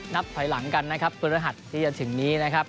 นับถอยหลังกันนะครับพฤหัสที่จะถึงนี้นะครับ